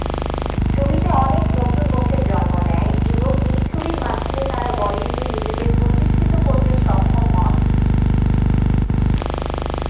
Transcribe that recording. ছবিতে অনেক নতুন মুখের জন্ম নেয় এবং এই ছবির মাধ্যমে তারা বলিউডে নিজেদের প্রতিষ্ঠিত করতে সক্ষম হন।